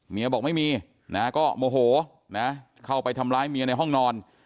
บอกไม่มีนะก็โมโหนะเข้าไปทำร้ายเมียในห้องนอน